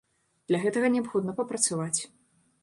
Для гэта неабходна папрацаваць.